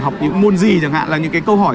học những môn gì chẳng hạn là những cái câu hỏi